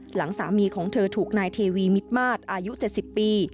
หลังสามีของเธอถูกนายเทวีมิดมาตรอายุเจ็ดสิบปี